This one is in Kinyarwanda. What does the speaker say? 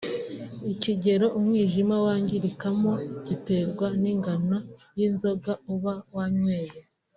Ikigero umwijima wangirikamo giterwa n’ingano y’izoga uba wanyweye